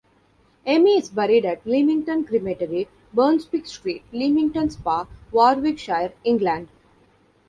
Amey is buried at Leamington Cemetery, Brunswick Street, Leamington Spa, Warwickshire, England.